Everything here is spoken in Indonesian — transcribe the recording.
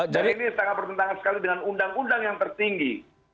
dan ini sangat bertentangan sekali dengan undang undang yang tertinggi